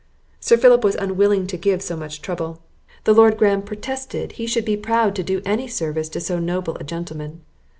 Sir Philip was unwilling to give so much trouble. The Lord Graham protested he should be proud to do any service to so noble a gentleman.